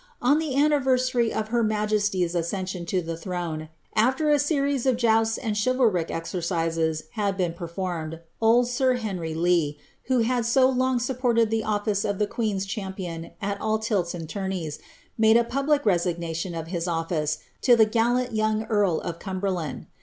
On the onniversari of her majesty's acce$$iop to the throne, after a series of jousts and chivalric exercises had been [wr fornied, old sir Henrj' Lee, who had so long supported the office of ib* queen's champion at all lilts and tourneys, made a public resiznation w his office to the gallant young earl of Cumberland.